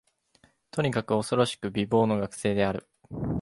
とにかく、おそろしく美貌の学生である